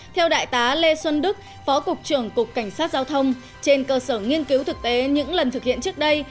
theo đại tá lê xuân đức phó cục trưởng cục cảnh sát giao thông trên cơ sở nghiên cứu thực tế những lần thực hiện trước đây